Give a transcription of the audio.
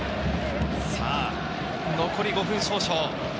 残り５分少々。